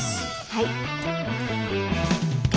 はい。